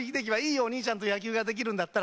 お兄ちゃんと野球ができるんだったら。